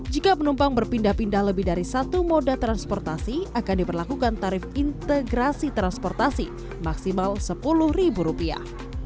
jika penumpang berpindah pindah lebih dari satu moda transportasi akan diperlakukan tarif integrasi transportasi maksimal sepuluh ribu rupiah